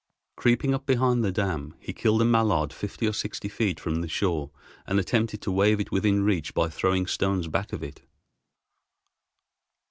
Creeping up behind the dam, he killed a mallard fifty or sixty feet from the shore and attempted to wave it within reach by throwing stones back of it.